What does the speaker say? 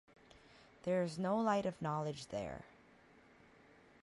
There is no light of knowledge there.